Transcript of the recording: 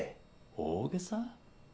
大げさ？